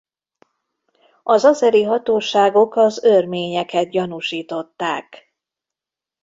Az azeri hatóságok az örményeket gyanúsították.